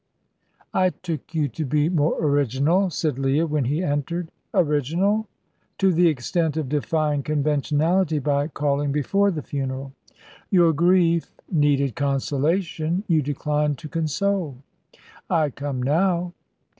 "I took you to be more original," said Leah, when he entered. "Original?" "To the extent of defying conventionality by calling before the funeral." "Your grief " "Needed consolation. You declined to console." "I come now."